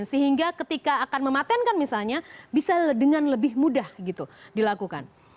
sehingga ketika akan mematenkan misalnya bisa dengan lebih mudah gitu dilakukan